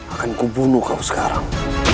akan kubunuh kau sekarang